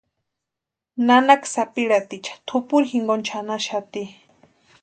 Nanaka sapirhatiecha tʼupuri jinkoni chʼanaxati.